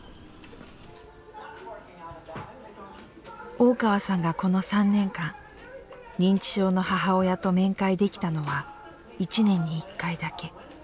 大川さんがこの３年間認知症の母親と面会できたのは１年に１回だけ。